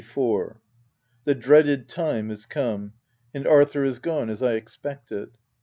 The dreaded time is come, and Arthur is gone, as I expected.